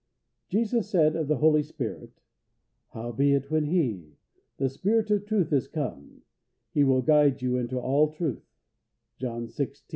Jesus said of the Holy Spirit: "Howbeit when He, the Spirit of Truth, is come, He will guide you into all truth" (John xvi.